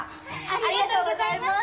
ありがとうございます！